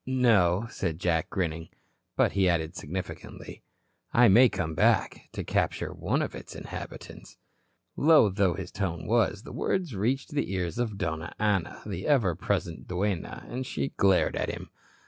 "No," said Jack, grinning. "But," he added, significantly, "I may come back to capture one of its inhabitants." Low though his tone was, the words reached the ears of Donna Ana, the ever present duenna, and she glared at him.